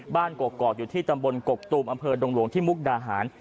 บ้านกรกกรอกอยู่ที่จังโบนกรกตูมอำเภอดงรวงที่มุกดาหาร